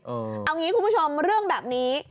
เอางี้คุณผู้ชมเรื่องแบบนี้